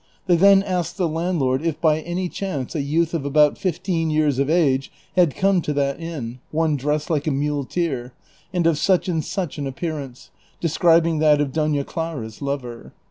They then asked the landlord if by any chance a youth of about fifteen years of age had come to that inn, one dressed like a muleteer, and of such and such an appearance, describing that of Doiia Clara's lover.